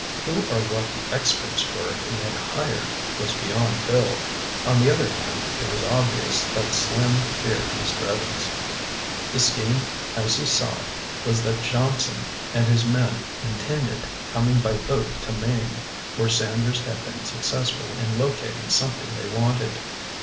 Who or what the "experts" were he had hired, was beyond Bill. On the other hand it was obvious that Slim feared Mr. Evans. The scheme, as he saw it, was that Johnson and his men intended coming by boat to Maine, where Sanders had been successful in locating something they wanted.